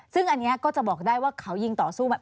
ซึ่งอันนี้ก็จะบอกได้ว่าเขายิงต่อสู้มา